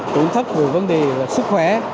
tổn thất về vấn đề sức khỏe